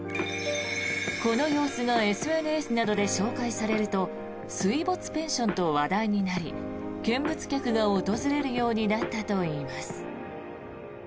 この様子がＳＮＳなどで紹介されると水没ペンションと話題になり見物客が訪れるようになったといいます。